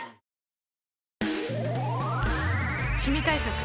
シミ対策